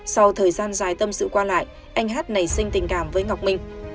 sau thời gian dài tâm sự qua lại anh hát nảy sinh tình cảm với ngọc minh